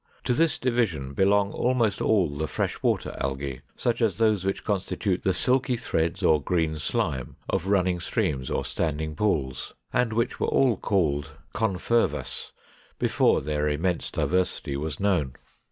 To this division belong almost all the Fresh water Algæ, such as those which constitute the silky threads or green slime of running streams or standing pools, and which were all called Confervas before their immense diversity was known.